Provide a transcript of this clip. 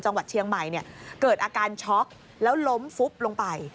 จังหวัดเชียงใหม่เกิดอาการช็อกแล้วล้มฟุบลงไป